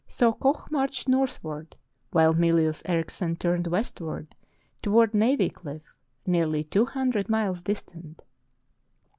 So Koch marched northward, while Mylius Erichsen turned westward toward Navy Cliff, nearly two hundred miles distant.